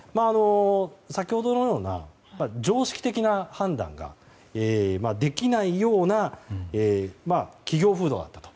先ほどのような常識的な判断ができないような企業風土だったと。